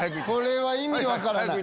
これは意味分からない。